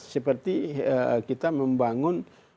seperti kita membangun jaya